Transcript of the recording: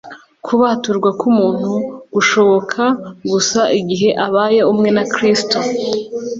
Kubaturwa k'umuntu gushoboka gusa: igihe abaye umwe na Kristo.